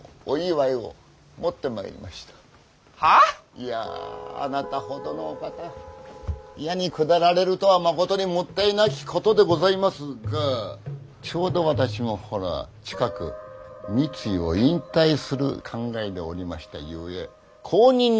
いやあなたほどのお方野に下られるとはまことにもったいなきことでございますがちょうど私もほら近く三井を引退する考えでおりましたゆえ後任に推薦いたしました。